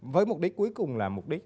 với mục đích cuối cùng là mục đích